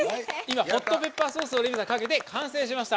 ホットペッパーソースをかけて完成しました！